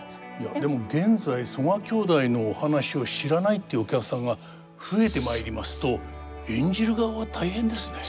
でも現在曽我兄弟のお話を知らないっていうお客さんが増えてまいりますと演じる側は大変ですね。